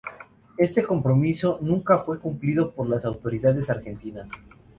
Este compromiso nunca fue cumplido por las autoridades argentinas.